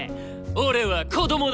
俺は子供だ！